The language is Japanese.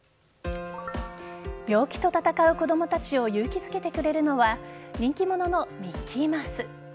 病気と闘う子供たちを勇気づけてくれるのは人気者のミッキーマウス。